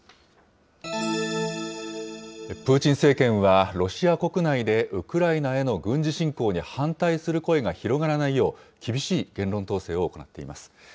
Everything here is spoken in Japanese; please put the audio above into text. プーチン政権は、ロシア国内でウクライナへの軍事侵攻に反対する声が広がらないよう、厳しい言論統制を行っています。